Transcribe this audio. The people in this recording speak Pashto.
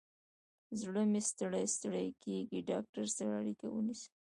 زړه مې ستړی ستړي کیږي، ډاکتر سره اړیکه ونیسه